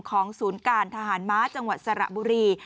ศูนย์การทหารม้าจังหวัดสระบุรี